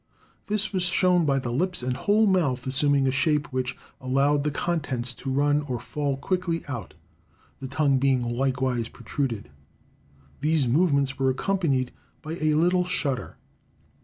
This was shown by the lips and whole mouth assuming a shape which allowed the contents to run or fall quickly out; the tongue being likewise protruded. These movements were accompanied by a little shudder.